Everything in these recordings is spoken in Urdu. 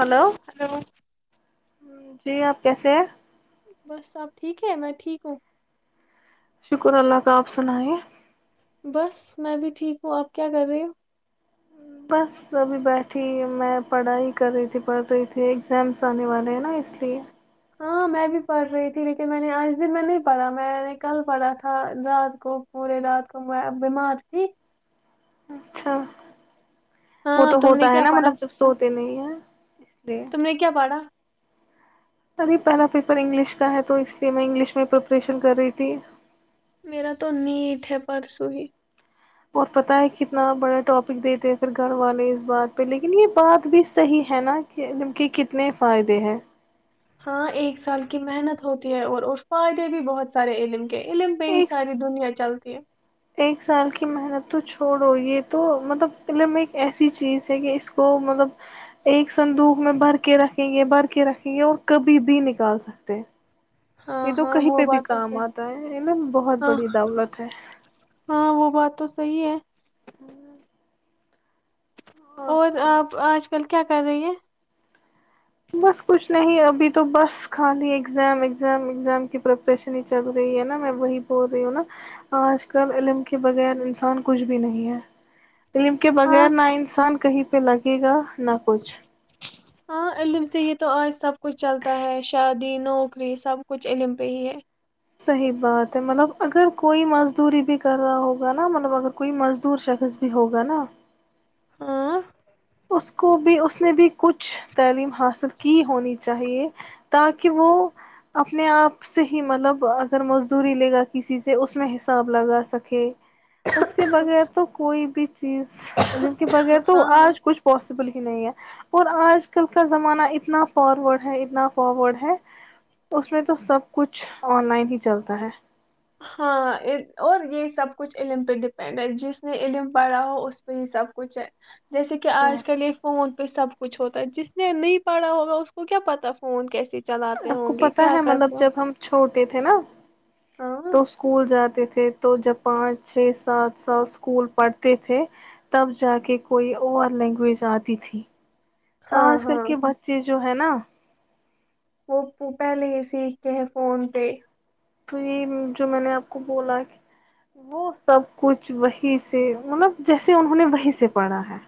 ہلو ہلو جی آپ کیسے ہیں بس اپ ٹھیک ہے میں ٹھیک ہوں شکر اللہ کا آپ سنائ بس میں بھی ٹھیک ہوں آپ کیا کر رہے ہو بس ابھی بیٹھی میں پڑھائی کر رہی تھی پڑھ رہی تھی ایگزامس آنے والے ہیں نا اس لیے ہاں میں بھی پڑھ رہی تھی لیکن میں نے آج دن میں نہیں پڑھا میں نے کل پڑھا تھا رات کو پورے رات کو بیمار تھی اچھا وہ ہاں تو تم نے ہوتا ہے کیا نا پڑھا مطلب جب سوتے نہیں ہیں اس لیے تم نے کیا پڑھا ارے پہلا پیپر انگلش کا ہے تو اس لیے میں انگلش میں پریپریشن کر رہی تھی میرا تو نیٹ ہے پرسوں ہی اور پتہ ہے کتنا بڑا ٹاپک دیتے ہیں پھر گھر والے اس بات پہ لیکن یہ بات بھی صحیح ہے نا کہ ان کے کتنے فائدے ہیں ہاں ایک سال کی محنت ہوتی ہے اور اور فائدے بھی بہت سارے علم علم پہ ہی ایک ساری دنیا چلتی ہے ایک سال کی محنت تو چھوڑو یہ تو مطلب علم ایک ایسی چیز ہے کہ اس کو مطلب ایک سندوق میں بھر کے رکھیں گے بھر کے رکھیں گے اور کبھی بھی نکال سکتے ہاں یہ تو ہاں کہیں وہ پہ بھی بات تو کام صحیح اتا ہے علم بہت ہاں بڑی دولت ہے ہاں وہ بات تو صحیح ہے ہاں اور آپ آج کل کیا کر رہی ہے بس کچھ نہیں ابھی تو تو بس خالی ایگزم ایگزم ایگزام کی پریپریشن ہی چل رہی ہے نا میں وہی بول رہی ہوں نا اج کل علم کے بغیر انسان کچھ بھی نہیں ہے علم کے ہاں بغیر نہ انسان کہیں پ لگے گا نہ کچھ ہاں علم سے ہی تو آج سب کچھ چلتا ہے شادی نوکری سب کچھ علم پہ ہی ہے صحیح بات ہے مطلب اگر کوئی مزدوری بھی کر رہا ہوگا نا مطلب اگر کوئی مزدور شخص بھی ہوگا نا ہاں اس کو بھی اس نے بھی کچھ تعلیم حاصل کی ہونی چاہیے تاکہ وہ اپنے آپ سے ہی مطلب اگر مزدوری لے گا کسی سے اس میں حساب لگا سکے اس کے بغیر تو کوئی بھی چیز علم کے بغیر تو ہاں ہاں اج کچھ پاسبل ہی نہیں ہے اور آج کل کا زمانہ اتنا فارورڈ ہے اتنا فارورڈ ہے اس میں تو سب کچھ آن لائن ہی چلتا ہے ہاں اور یہ سب کچھ علم پہ ڈیپینڈ ہے جس نے علم پایا ہو اس پہ یہ سب کچھ ہے جیسے کہ ہے آج کل یہ فون تو سب کچھ ہوتا ہے جس نے نہیں پڑھا ہوگا اس کو کیا پتا فون کیس آپ کو پتا ہے مطلب جب ہم چھوٹے تھے نا ہاں تو اسکول جاتے تھے تو جب پانچ چھ سات سال اسکول پڑھتے تھے تب جا کے کوئی اور لینگویج آتی تھی ہاں پاس کر ہاں کے بچے جو ہے نا وہ پہلے ہی سیکھتے ہیں فون پہ تو یہ جو میں نے آپ کو بولا وہ سب کچھ وہی سے مطلب جیسے انہوں نے وہی سے پڑھا ہے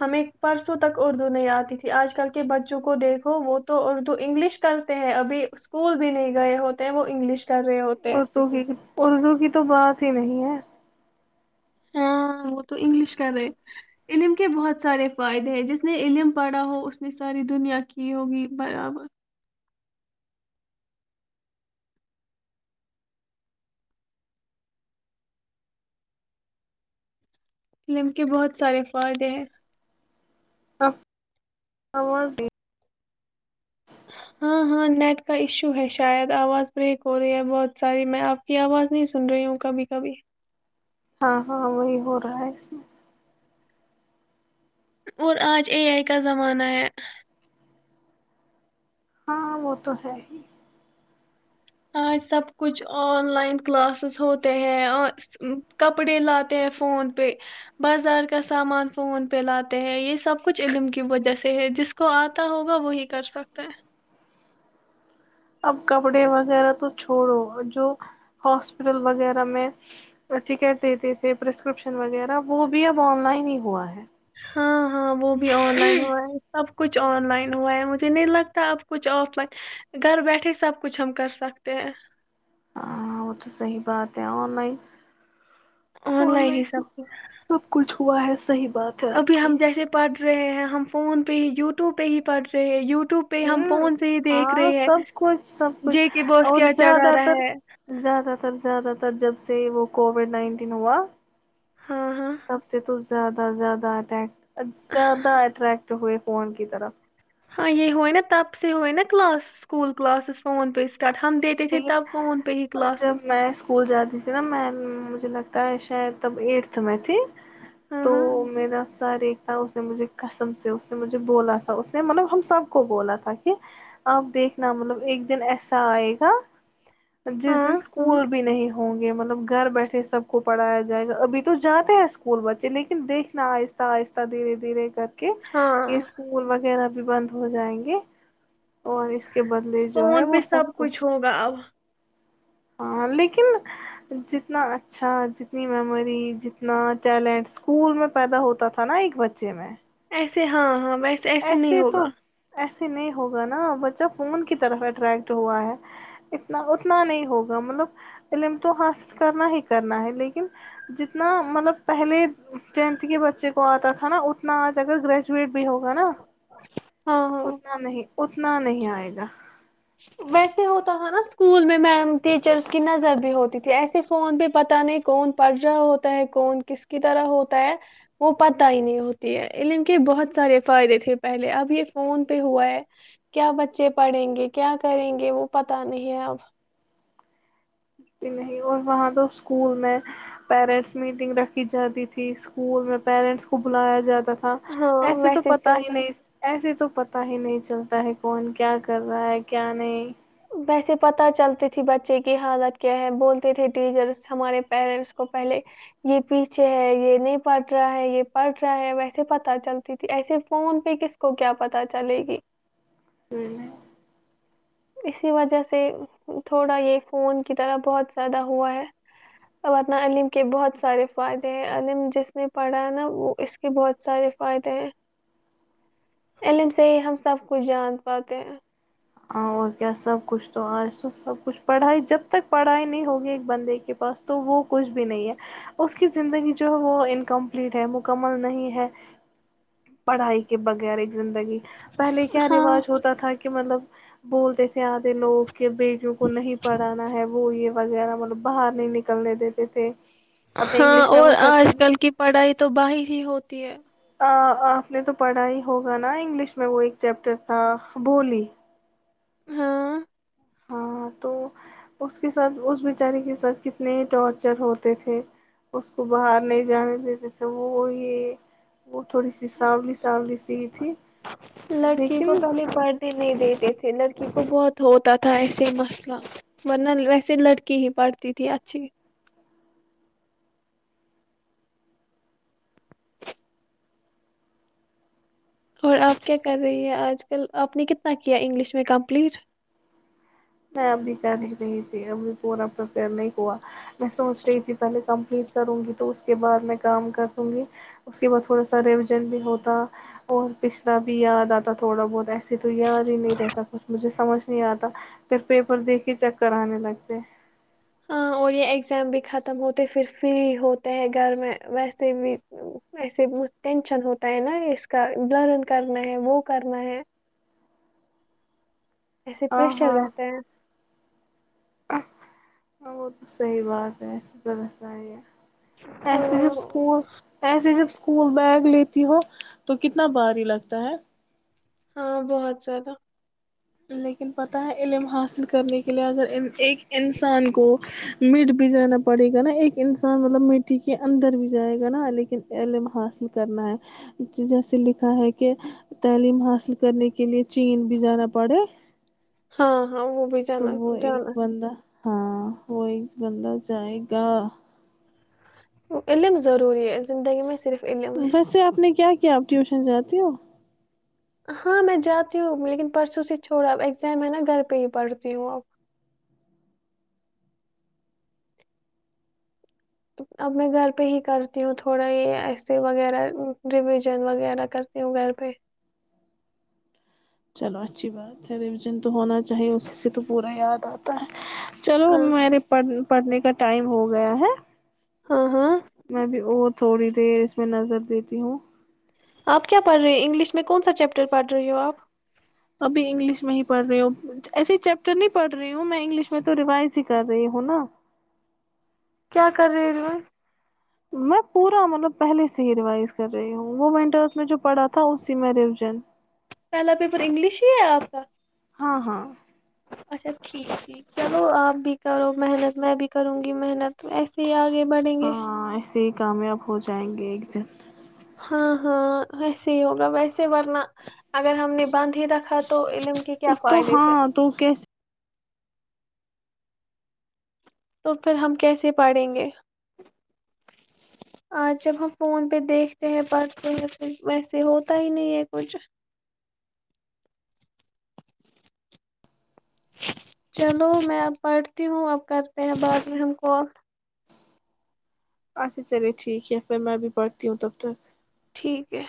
ہمیں پرسوں تک اردو نہیں آتی تھی آج کل کے بچوں کو دیکھو وہ تو اردو انگلش کرتے ہیں ابھی اسکول بھی نہیں گئے ہوتے ہیں وہ انگلش کر رہے ہوتے ہیں اردو کی اردو کی تو بات ہی نہیں ہے ہاں وہ تو انگلش کر رہے علم کے بہت سارے فائدے ہیں جس نے علم پڑھا ہو اس نے ساری دنیا کی ہوگی برابر علم کے بہت سارے فائدے ہیں ا آواز بھی ہاں ہاں نیٹ کا ایشو ہے شاید آواز بریک ہو رہی ہے بہت ساری میں آپ کی آواز نہیں سن رہی ہوں کبھی کبھی ہاں ہاں وہی ہو رہا ہے اس میں اور آج اے آئی کا زمانہ ہے ہاں وہ تو ہے ہی آج سب کچھ آن لائن کلاسز ہوتے ہیں اور کپڑے لاتے ہیں فون پہ بازار کا سامان فون پہ لاتے ہیں یہ سب کچھ علم کی وجہ سے ہے جس کو آتا ہوگا وہی کر سکتے ہیں اب کپڑے وغیرہ تو چھوڑو جو ہاسپٹل وغیرہ میں ٹکٹ دیتے تھے پرسکرپشن وغیرہ وہ بھی اب آن لائن ہی ہوا ہے ہاں ہاں وہ بھی آن لائن ہو رہا ہے سب کچھ آن لائن ہوا ہے مجھے نہیں لگتا اب کچھ آف لائن گھر بیٹھے سب کچھ ہم کر سکتے ہیں ہاں وہ تو صحی بات ہے اور ل آن لائن حساب سے سب کچھ ہوا ہے صحید ابھی ہم جیسے پ رہے ہیں ہم فون پہ ہی یو ٹیوب پہ ہی پڑھ رہے ہیں یوٹیو ہ ہاں سب کچھ سب کچھ جے کے باس اور کیا چڑھا زیادہ تر رہا ہے زیادہ تر زیادہ تر جب سے وہ کووڈ نائنٹین ہوا ہاں ہاں تب سے تو زیادہ زیادہ اٹیک زیادہٹرٹ ہوئے فون کی طرف ہاں یہ ہوئی نا تاپس ہوئی نا کلاس سکول کلاس فون پ اس لیکن جب میں اسکول جاتی تھی نا میں مجھے لگتا ہے شاید تب ایٹتھ میں تھی ہاں تو ہاں میرا س ر ایک تھا اس نے مجھے کسم سے اس نے مجھے بولا تھا اس نے مطلب ہم سب کو بولا تھا کہ اب دیکھنا مطلب ایک دن ایسا آئے جس دن ہاں اسکول بھی نہیں ہوں گے مطلب گھر بیٹھے سب کو پڑھایا جائے گا ابھی تو جاتے ہیں اسکول بچے لیکن دیکھنا آہستہ آہستہ دھیرے دھیرے کرتے کہ یہ ہاں اسکولول وغیرہ بھی بند ہو جائیں گے اور اس کے بدلے جو ہے فون وہ پہ سب کچھ [inaudible] ہاں لیکن جتنا اچھا جتنی میموری جتنا ٹیلنٹ اسکول میں پیدا ہوتا تھا نا ایک بچے میں ایسے ہاں ہاں ویسے ایسے نہیں ہوگا ایسے نہیں ہوگا نا بچہ فون کی طرف اٹریکٹ ہوا ہے اتنا اتنا نہیں ہوگا مطلب علم تو حاصل کرنا ہی کرنا ہے لیکن جتنا مطلب پہلے ٹینتھ کے بچے کو آتا تھا نا اتنا آج اگر گریجویٹ بھی ہوگا ہوا نا ہاں ہاں اتنا نہیں اتنا نہیں آئے گا ویسے ہوتا ہے نا اسکول میں میم ٹیچرس کی نظر بھی ہوتی تھی ایسے فون پہ پتاہ نہیں کون پڑھ رہا ہوتا ہے کون کس کی طرح ہوتا ہے وہ پت ہی نہیں ہوتی ہے علم کے بہت سارے فائدے تھے پہلے اب یہ فون پہ ہوا ہے کیا بچے پڑھیں گے کیا کریں گے وہ پتا نہیں ہے اب بھی نہیں اور وہاں تو اسکول میں پیرنٹس میٹنگ رکھی جاتی تھی اسکول میں پیرنٹس کو بلایا جاتا تھا ایسے تو پتا ہی نہیں ایسے تو پتا ہی نہیں چلتا ہے کون کیا کر رہا ہے کیا نہیں ویسے پت چلتی تھی بچے کی حالت کیا ہے بولتے تھے ٹیچرس ہمارے پیرنٹس کو پہلے یہ پیچھے ہے یہ نہیں پڑھ رہا ہے یہ پڑھ رہا ہے ویسے پتا چلتی تھی ایسے فون پہ کس کو کیا پتاہ چلے گی تو میں اسی وجہ سے تھوڑا یہ فون کی طرح بہت زیادہ ہوا ہے اورورنہ علم کے بہت سارے فائدے ہیں علم جس نے پڑھا ہے نا وہ اس کے بہت سارے فائدے ہیں علم سے ہی ہم سب کچھ جان پاتے ہیں اور کیا سب کچھ تو آج تو سب کچھ پڑھائی جب تک پڑھائی نہیں ہوگی ایک بندے کے پاس تو وہ کچھ بھی نہیں ہے اس کی زندگی جو ہے وہ انکمپلیٹ ہے مکمل نہیں ہے پڑھائی کے بغیر زندگی پہلے کیا رواج ہوتا تھا کہ مطلب بولتے س آد لوگوں کے بیٹوں کو نہیں پڑانا ہے وہ یہ وغیرہ مطلب باہر نہیں نکل نکنے دیتے تھے اپنے ہاں انگلش میں وہ اور چیپٹر آج کل کی پڑھائی تو با ہی اھی ہوتی ہے آپ نے تو پڑھا ہی ہوگا نا انگلش میں وہ ایک چیپٹر تھا بولی ہاں ہاں تو اس کے ساتھ اس بیچاری کے ساتھ کتنے ٹارچر ہوتے تھے اس کو باہر نہیں جانے دیتے تھے وہ یہ وہ تھوڑی سی سانلی سانلی سیی تھی لڑکی کو لیکن پہلے پڑھنے نہیں دیتے لڑکی کو بہت ہوتا تھا ایسے مسئلہ ورنہ ویسے لڑکی ہی پڑھتی تھی اچھی اور آپ کیا کر رہی ہیں آج کل آپ نے کتنا کیا انگلش میں کمپلیٹ میں ابھی پیرک نہیں تھی ابھی پورا پرپر نہیں ہوا میں سوچ رہی تھی پہے کم کروں گی تو اس کے بعد میں کام کر دوں گی اس کے بعد تھوڑا سا ریویژن بھی ہوتا اور پچھڑا بھی یاد آتا تھوڑا بہت ایسے تو یار ہی نہیں رہتا کچھ مجھے سمجھ نہیں آتا پھر پیپر دیک کے چیک کرانے لگتے ہاں اور یہ اگزام بھی ختم ہوتے پھر فری ہوتے ہیں گھر میں ویسے بھی وسے ٹینشن ہوتا ہے نا اس کا لرن کرنا ہے وہ کرنا ہے ایسے ہاں پریش چل جاتے ہیں ہ وہ تو صحی بات ہے ایسے تو رہس ہی ہے پسے ہاں جب اسکول پسے جب اسکول بیگ لیتی ہو تو کتنا باری لگتا ہے ہاں بہت زیادہ لیکن پت ہے علم حاصل کرنے کے لیے اگر ایک انسان کو مٹ بھی جانا پڑے گا نا ایک انسان مطلب مٹی کے اندر بھی جائے گا نا لیکن علم حاصل کرنا ہے جیسے لکھا ہے کہ تعلیم حاصل کرنے کے لے چین بھی جانا پڑے ہاں ہاں وہ بھی تو جانا وہ ایک جانا بندہ ہاں وہی بندہ جائے گا لے بھی ضروری ہے زندگی میں صرف علم ہے ویسے آپ نے کیا کیا آپ ٹیوشن جاتی ہو ہاں میں جاتی ہوں لیکن پرسوں سے چھوڑا اب ایگزام ہے نا گھر پہ ہی پڑھتی ہوں اب اب میں گھر پہ ہی کرتی ہوں تھوڑا یہ ایسے وغیرہ ریویژن وغیرہ کرتی ہوں گھر پہ چلو اچھی بات ہے ریویژن تو ہونا چاہیے اسی سے تو پورا یاد آتا ہے چلو ہاں میرے پڑھ پڑھنے کا ٹائم ہو گیا ہے ہاں ہاں میںب اور تھوڑی دیر اس میں نظر دیتی ہوں آپ کیا پڑھ رہی ہو انگلش میں کون سا چیپٹر پڑھ رہی ہو آپ ابھی انگلش میں ہی پڑھ رہی ہ ایس چیپٹر نہیں پڑھ رہی ہوں میں انگلش میں تو ریوائز ہی کر رہی ہوں نا کیا کر رہی ہو ر میں پورا مطلب پہلے سے ہی ریوائز کر رہی ہوں وہ ونٹرس میں جو پڑھا تھا اسی میں ریویژن پہلا پیپر انگلش ہی ہے آپ کا ہاں ہاں اچھا ٹھیک ٹھیک چلو آپ بھی کرو محنت میں بھی کروں گی محنت ایسے ہی آگے بڑھیں گے ہاں ایسے ہی کامیاب ہو جائیں گے ج [inaudible] ہاں ہاں ایسے ہی ہوگا ویسے ورنہ اگر ہم نے بند ہی رکھا تو علم کے کیا تو فائدے پھر ہاں تو کیسے تو پھر ہم کیسے پڑھیں گے آج جب ہم فون پہ دیکھتے ہیں پڑھتے ہیں پھر ویسے ہوتا ہی نہیں ہے کچھ چلو میں اب پڑھتی ہوں اب کرتے ہیں بعض رم کال اچھا چلے ٹھیک ہے پھر میں ابھی پڑھتی ہوں تب تک ٹھیک ہے